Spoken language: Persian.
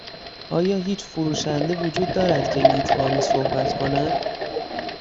آیا هیچ فروشنده وجود دارد که لیتوانی صحبت کند؟